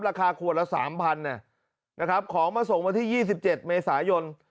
ราคาขวดละ๓๐๐นะครับของมาส่งวันที่๒๗เมษายน